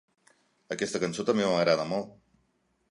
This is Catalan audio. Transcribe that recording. Aquesta cançó també m'agrada molt.